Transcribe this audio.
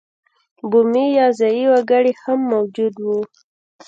بومي یا ځايي وګړي هم موجود وو.